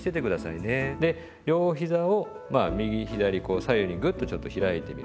で両ひざを右左こう左右にグッとちょっと開いてみる。